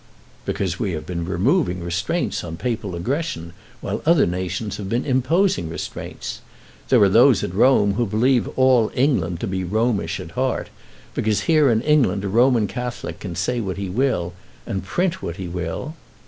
"Because we have been removing restraints on Papal aggression, while other nations have been imposing restraints. There are those at Rome who believe all England to be Romish at heart, because here in England a Roman Catholic can say what he will, and print what he will."